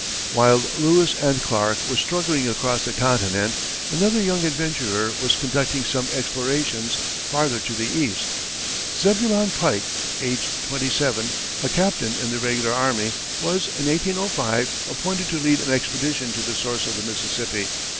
While Lewis and Clark were struggling across the continent, another young adventurer was conducting some explorations farther to the east. Zebulon Pike, aged twenty seven, a captain in the regular army, was, in 1805, appointed to lead an expedition to the source of the Mississippi.